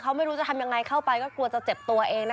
เขาไม่รู้จะทำยังไงเข้าไปก็กลัวจะเจ็บตัวเองนะคะ